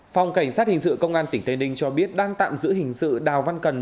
phòng cảnh sát hình sự công an tỉnh tây ninh cho biết đang tạm giữ hình sự đào văn cần